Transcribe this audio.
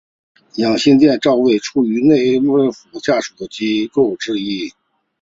养心殿造办处是内务府的下属机构之一。